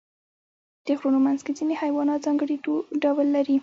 د غرونو منځ کې ځینې حیوانات ځانګړي ډول لري.